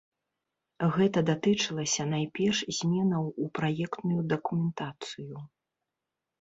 Гэта датычылася найперш зменаў у праектную дакументацыю.